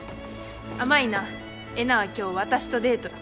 甘いなえなは今日私とデートだ。